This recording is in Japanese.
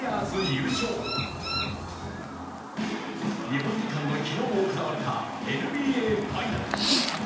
日本時間の昨日行われたＮＢＡファイナル。